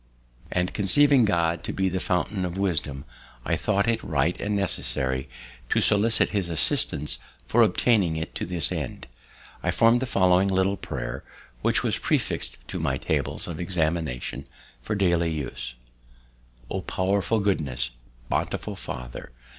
iii. 16, 17. And conceiving God to be the fountain of wisdom, I thought it right and necessary to solicit his assistance for obtaining it; to this end I formed the following little prayer, which was prefix'd to my tables of examination, for daily use. "_O powerful Goodness! bountiful Father!